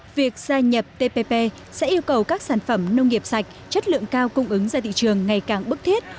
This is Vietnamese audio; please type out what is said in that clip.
việc gia nhập tpp sẽ yêu cầu các sản phẩm nông nghiệp sạch chất lượng cao cung ứng ra thị trường ngày càng bức thiết